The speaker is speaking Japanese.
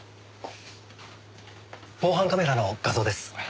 防犯カメラの画像です。